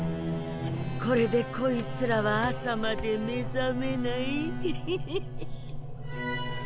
これでこいつらは朝まで目覚めないイヒヒヒ。